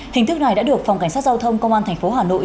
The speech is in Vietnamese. hình thức này đã được phòng cảnh sát giao thông công an tp hà nội